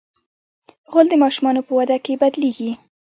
غول د ماشومانو په وده کې بدلېږي.